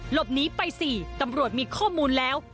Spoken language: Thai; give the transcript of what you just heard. หลบหนีไป๔ตำรวจมีข้อมูลแล้ว